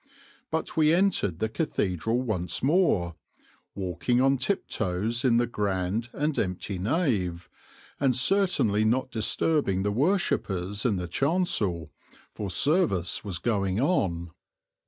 But we entered the cathedral once more, walking on tiptoes in the grand and empty nave, and certainly not disturbing the worshippers in the chancel, for service was going on.